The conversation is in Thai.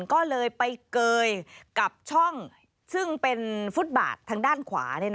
ก็เลยไปเกยกับช่องซึ่งเป็นฟุตบาททางด้านขวา